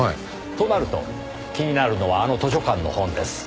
となると気になるのはあの図書館の本です。